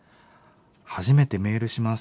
「初めてメールします」。